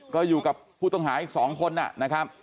ก็อยู่กับผู้ต้องหาอีก๒คนนะครับ